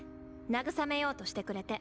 慰めようとしてくれて。